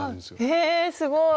えすごい！